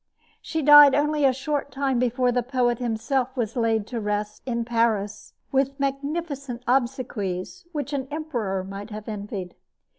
She died only a short time before the poet himself was laid to rest in Paris with magnificent obsequies which an emperor might have envied.